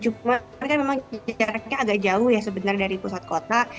cuma kan memang jaraknya agak jauh ya sebenarnya dari pusat kota